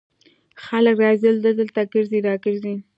خلک راځي دلته ګرځي را ګرځي.